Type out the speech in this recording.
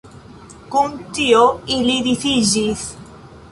Kun tio ili disiĝis.